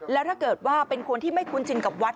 แล้วถ้าเกิดว่าเป็นคนที่ไม่คุ้นชินกับวัด